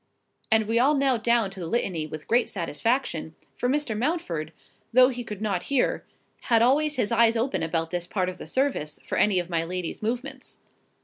And we all knelt down to the Litany with great satisfaction; for Mr. Mountford, though he could not hear, had always his eyes open about this part of the service, for any of my lady's movements.